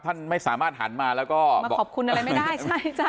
ท่านไม่สามารถหันมาแล้วก็มาขอบคุณอะไรไม่ได้ใช่จ้ะ